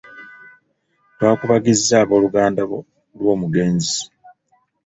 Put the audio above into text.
Twakubagizza abooluganda lw'omugenzi.